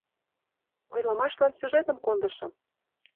— Ойлымашлан сюжетым кондышым!